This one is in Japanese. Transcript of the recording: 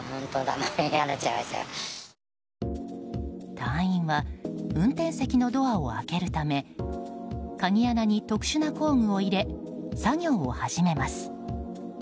隊員は運転席のドアを開けるため鍵穴に特殊な工具を入れ作業を始めます。